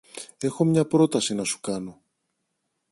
Έχω μια πρόταση να σου κάνω.